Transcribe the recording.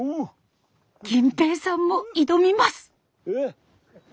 銀瓶さんも挑みます。